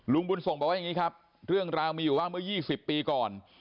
บุญส่งบอกว่าอย่างนี้ครับเรื่องราวมีอยู่ว่าเมื่อ๒๐ปีก่อน